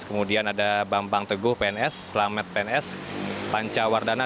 kemudian ada bambang teguh pns selamat pns pancawardana